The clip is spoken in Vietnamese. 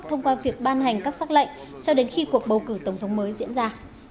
thông qua việc ban hành các xác lệnh cho đến khi cuộc bầu cử tổng thống mới diễn ra